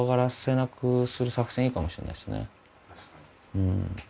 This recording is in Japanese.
うん。